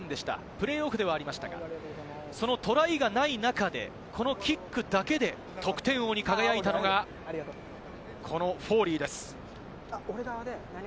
プレーオフではありましたが、そのトライがない中でこのキックだけで得点王に輝いたのが、このフォーリーです。